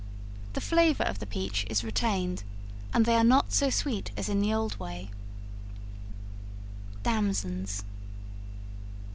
The flavor of the peach is retained, and they are not so sweet as in the old way. Damsons.